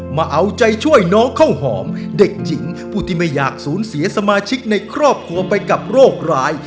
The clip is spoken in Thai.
มาเอาใจช่วยน้องข้าวหอมเด็กหญิงผู้ที่ไม่อยากสูญเสียสมาชิกในครอบครัวไปกับโรคร้าย